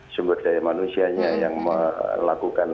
sumber daya manusianya yang melakukan